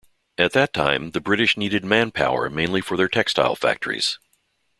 At that time, the British needed man-power mainly for their textile factories.